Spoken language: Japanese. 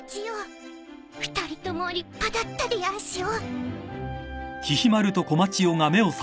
２人とも立派だったでやんすよ。